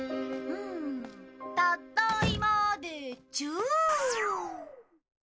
たっだいまでチュー！